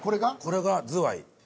これがズワイ。